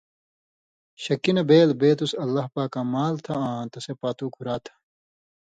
شکی نہ بېل بِتُس اللہ پاکاں مال تھہ آں تسے پاتُو گُھرا تھہ۔